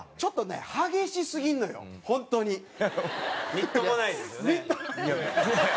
みっともないです。